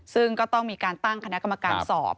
ซึ่งก็ต้องมีการตั้งคณะกรรมการสอบ